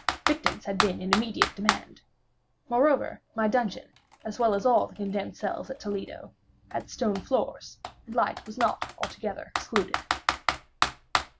Victims had been in immediate demand. Moreover, my dungeon, as well as all the condemned cells at Toledo, had stone floors, and light was not altogether excluded.